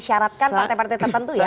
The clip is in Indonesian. syaratkan partai partai tertentu ya